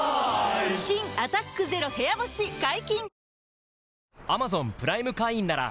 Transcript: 新「アタックＺＥＲＯ部屋干し」解禁‼